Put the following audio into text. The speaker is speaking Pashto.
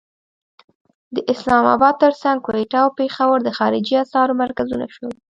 د اسلام اباد تر څنګ کوټه او پېښور د خارجي اسعارو مرکزونه شول.